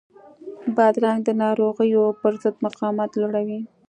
بادرنګ د ناروغیو پر ضد مقاومت لوړوي.